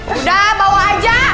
udah bawa aja